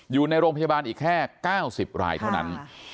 อยู่ในโรงพยาบาลอีกแค่๙๐รายเท่านั้น